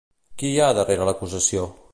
Qui hi ha darrere l'acusació?